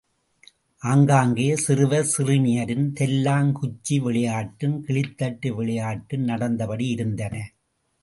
ஆங்காங்கே சிறுவர் சிறுமியரின் தெல்லாங்குச்சி விளையாட்டும், கிளித்தட்டு விளையாட்டும் நடந்தபடி இருந்தன.